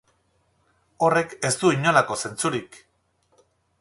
Horrek ez du inolako zentzurik!